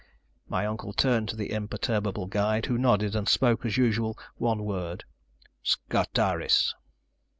My uncle turned to the imperturbable guide, who nodded, and spoke as usual one word. "Scartaris."